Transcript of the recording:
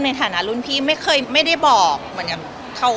แล้วคนอื่นเขาเพิ่มไปอีกไหมอะ